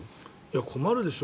困るでしょ。